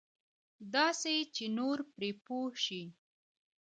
داسې چې نور پرې پوه شي.